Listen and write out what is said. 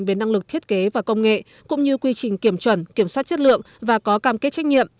về năng lực thiết kế và công nghệ cũng như quy trình kiểm chuẩn kiểm soát chất lượng và có cam kết trách nhiệm